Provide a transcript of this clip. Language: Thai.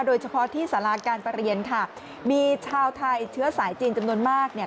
โดยเฉพาะที่สาราการประเรียนค่ะมีชาวไทยเชื้อสายจีนจำนวนมากเนี่ย